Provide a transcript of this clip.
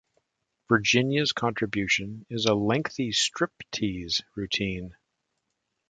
Virginia's contribution is a lengthy striptease routine.